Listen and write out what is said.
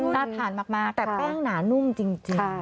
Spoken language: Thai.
น่าทานมากแต่แป้งหนานุ่มจริง